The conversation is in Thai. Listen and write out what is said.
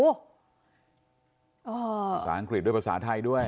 ภาษาอังกฤษด้วยภาษาไทยด้วย